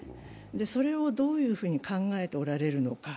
それをどういうふうに考えておられるのか。